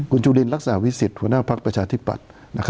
คุณจุลินลักษณะวิสิทธิหัวหน้าภักดิ์ประชาธิปัตย์